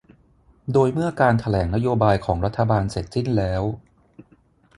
โดยเมื่อการแถลงนโยบายของรัฐบาลเสร็จสิ้นแล้ว